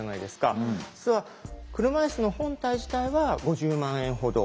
実は車いすの本体自体は５０万円ほど。